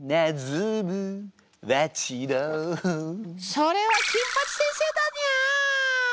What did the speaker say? それは金八先生だにゃー！